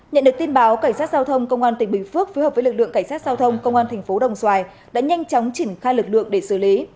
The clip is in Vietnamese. nhận được tin báo cảnh sát giao thông công an tỉnh bình phước phối hợp với lực lượng cảnh sát giao thông công an thành phố đồng xoài đã nhanh chóng triển khai lực lượng để xử lý